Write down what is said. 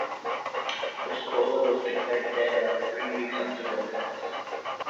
Rescorla was declared dead three weeks after the attacks.